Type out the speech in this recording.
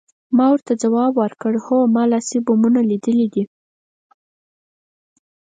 ما ورته ځواب ورکړ، هو، ما لاسي بمونه لیدلي دي.